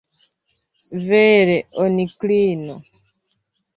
Vere, onklino.